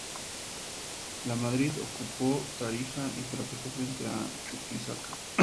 Lamadrid ocupó Tarija y fracasó frente a Chuquisaca.